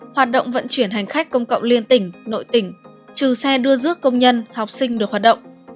hoạt động vận chuyển hành khách công cộng liên tỉnh nội tỉnh trừ xe đưa rước công nhân học sinh được hoạt động